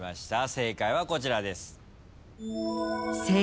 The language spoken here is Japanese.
正解はこちらです。